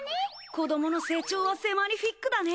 子どもの成長はセ・マニフィックだね。